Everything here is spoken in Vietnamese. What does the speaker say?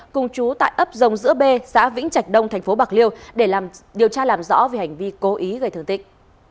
cùng chú tại ấp dòng giữa b xã vĩnh trạch đông thành phố bạc liêu để làm điều tra làm rõ về hành vi cố ý gây thương tích